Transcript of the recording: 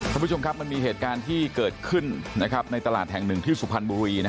คุณผู้ชมครับมันมีเหตุการณ์ที่เกิดขึ้นในตลาดแห่งหนึ่งที่สุพรรณบุรี